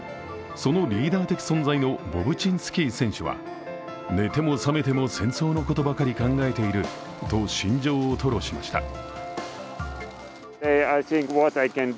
そのリーダー的存在のボブチンスキー選手は寝ても覚めても戦争のことばかり考えていると心情を吐露しました。